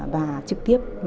và trực tiếp